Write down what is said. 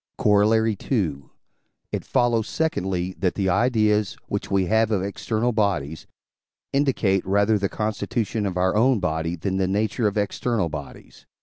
Corollary II. It follows, secondly, that the ideas, which we have of external bodies, indicate rather the constitution of our own body than the nature of external bodies.